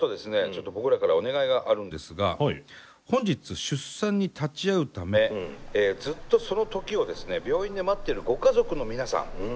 ちょっと僕らからお願いがあるんですが本日出産に立ち会うためずっとその時をですね病院で待っているご家族の皆さん